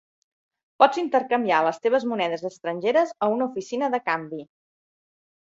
Pots intercanviar les teves monedes estrangeres a una oficina de canvi.